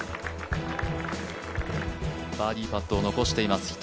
バーディーパットを残しています